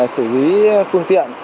xử lý phương tiện